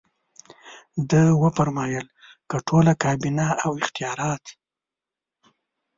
ده وفرمایل که ټوله کابینه او اختیارات.